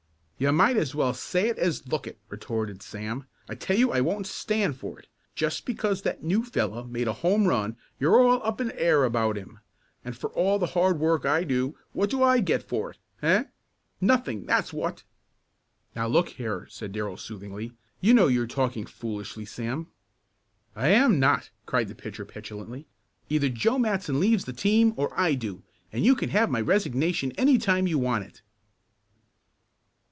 "You might as well say it as look it," retorted Sam. "I tell you I won't stand for it. Just because that new fellow made a home run you're all up in the air about him, and for all the hard work I do, what do I get for it? Eh? Nothing, that's what!" "Now, look here," said Darrell soothingly, "you know you're talking foolishly, Sam." "I am not!" cried the pitcher petulantly. "Either Joe Matson leaves the team or I do, and you can have my resignation any time you want it!"